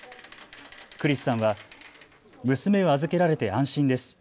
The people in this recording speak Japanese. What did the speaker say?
クリスさんは娘を預けられて安心です。